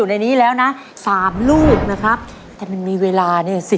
ในนี้แล้วนะ๓ลูกนะครับแต่มันมีเวลาเนี่ย